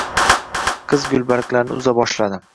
Qiz gulbarglarni uza boshladi